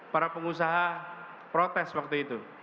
para pengusaha protes waktu itu